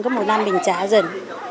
cứ một năm mình trả dần